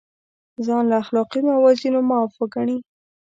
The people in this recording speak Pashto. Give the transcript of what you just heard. ځان له اخلاقي موازینو معاف وګڼي.